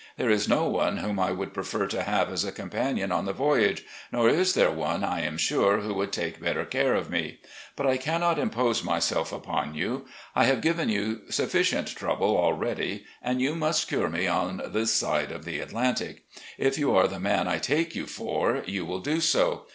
There is no one whom I would prefer to have as a companion on the voy age, nor is there one, I am sure, who would take better care of me. But I cannot impose myself upon you. I have given you sufficient trouble already, and you must cure me on tlds side of the Atlantic. If you are the man I take you for, you will do so.